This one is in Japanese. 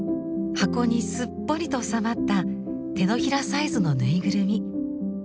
箱にすっぽりとおさまった手のひらサイズのぬいぐるみ。